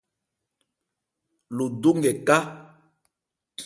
Lo do nkɛ ka.